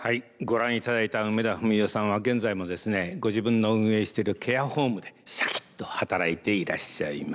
ご覧いただいた梅田史世さんは現在もですねご自分の運営してるケアホームでシャキッと働いていらっしゃいます。